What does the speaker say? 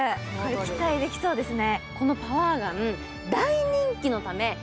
期待できそうですね。